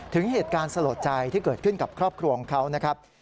ถึงเหตุการณ์สลดใจที่เกิดขึ้นกับครอบครัวของเขานะครับ